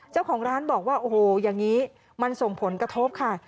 เจ้าของร้านบอกว่าโอ้โหอย่างนี้มันส่งผลกระทบค่ะ